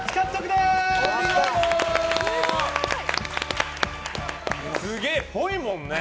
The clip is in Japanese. すげえ、っぽいもんね。